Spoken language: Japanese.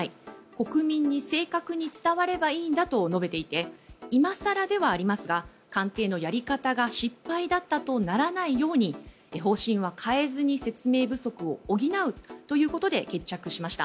国民に正確に伝わればいいんだと述べていて今更ではありますが官邸のやり方が失敗だったとならないように方針は変えずに説明不足を補うということで決着しました。